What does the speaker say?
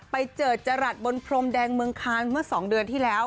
ไปเจอจรัสบนพรมแดงเมืองคานเมื่อ๒เดือนที่แล้ว